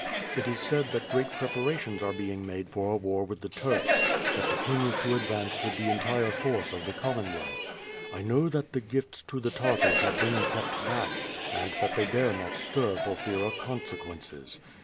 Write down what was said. lt is said that great preparations are being made for a war with the Turks; that the King is to advance with the en tire force of the Commonwealth. I know that the gifts to the Tartars have been kept back, and that they dare not stir for fear of consequences.